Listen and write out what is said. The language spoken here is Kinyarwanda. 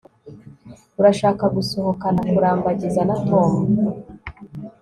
Urashaka gusohokana kurambagiza na Tom